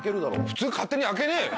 普通勝手に開けねえよ。